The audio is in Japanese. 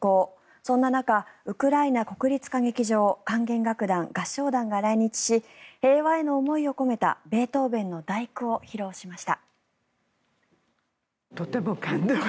そんな中、ウクライナ国立歌劇場管弦楽団、合唱団が来日し平和への思いを込めたベートーベンの「第九」を披露しました。